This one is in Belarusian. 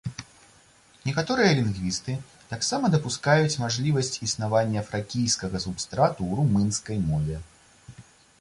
Некаторыя лінгвісты таксама дапускаюць мажлівасць існавання фракійскага субстрату ў румынскай мове.